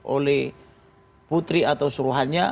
oleh putri atau suruhannya